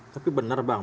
tapi benar bang